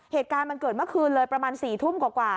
เหตุการณ์มันเกิดเมื่อคืนเลยประมาณ๔ทุ่มกว่า